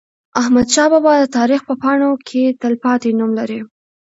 احمدشاه بابا د تاریخ په پاڼو کې تلپاتې نوم لري.